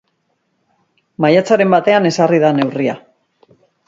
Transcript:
Maiatzaren batean ezarri da neurria.